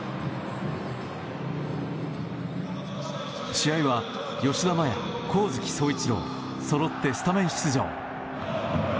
試合は吉田麻也、上月壮一郎そろってスタメン出場。